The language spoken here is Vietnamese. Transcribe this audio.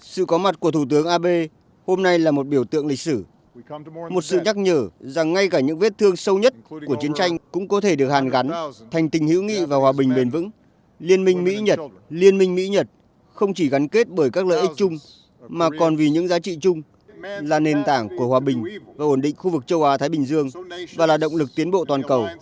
sự có mặt của thủ tướng abe hôm nay là một biểu tượng lịch sử một sự nhắc nhở rằng ngay cả những vết thương sâu nhất của chiến tranh cũng có thể được hàn gắn thành tình hữu nghị và hòa bình bền vững liên minh mỹ nhật liên minh mỹ nhật không chỉ gắn kết bởi các lợi ích chung mà còn vì những giá trị chung là nền tảng của hòa bình và ổn định khu vực châu á thái bình dương và là động lực tiến bộ toàn cầu